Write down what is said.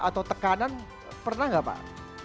atau tekanan pernah nggak pak